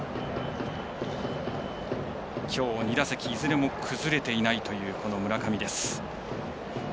きょう２打席いずれも崩れていないという村上です。